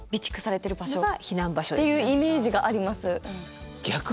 避難場所。っていうイメージがあります。